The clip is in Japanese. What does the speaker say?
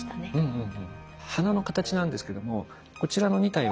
うん。